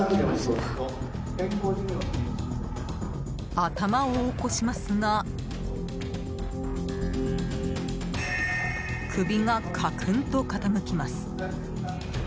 頭を起こしますが首がカクンと傾きます。